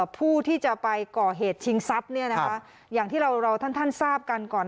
ผู้ที่จะไปก่อเหตุชิงทรัพย์เนี่ยนะคะอย่างที่เราท่านทราบกันก่อน